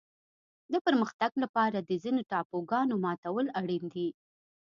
د پرمختګ لپاره د ځینو تابوګانو ماتول اړین دي.